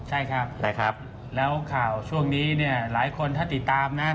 ใช่ครับใช่ครับแล้วข่าวช่วงนี้เนี่ยหลายคนถ้าติดตามนะ